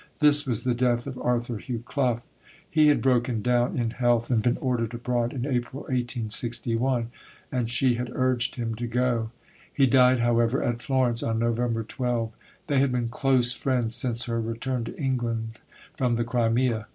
This was the death of Arthur Hugh Clough. He had broken down in health and been ordered abroad in April 1861, and she had urged him to go. He died, however, at Florence on November 12. They had been close friends since her return to England from the Crimea.